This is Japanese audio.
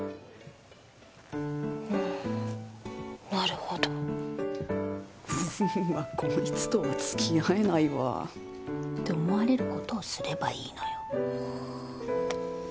うんなるほどうわこいつとはつきあえないわって思われることをすればいいのよ